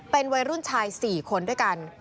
เป็นวัยรุ่นชาย๔คนด้วยกัน